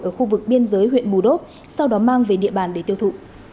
ở khu vực biên giới huyện bù đốc sau đó mang về địa bàn để tiêu thụ